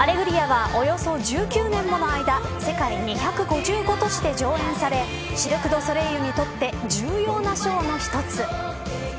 アレグリアはおよそ１９年もの間世界２５５都市で上演されシルク・ドゥ・ソレイユにとって重要なショーの一つ。